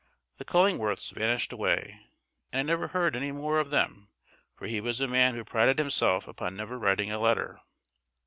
The Cullingworths vanished away, and I never heard any more of them, for he was a man who prided himself upon never writing a letter.